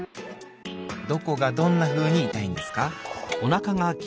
「どこがどんなふうにいたいんですか？」。